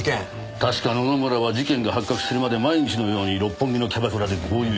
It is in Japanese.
確か野々村は事件が発覚するまで毎日のように六本木のキャバクラで豪遊してました。